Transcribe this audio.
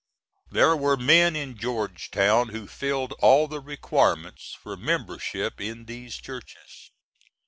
There were men in Georgetown who filled all the requirements for membership in these churches.